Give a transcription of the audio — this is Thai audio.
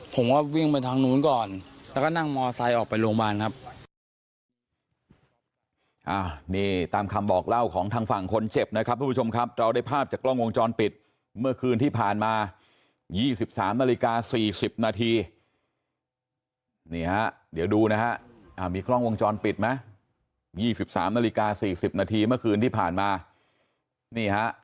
ผมว่าวิ่งไปทางนู้นก่อนแล้วก็นั่งมอไซค์ออกไปโรงพยาบาลครับ